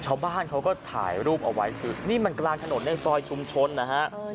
ชาวบ้านเขาก็ถ่ายรูปเอาไว้คือนี่มันกลางถนนในซอยชุมชนนะฮะ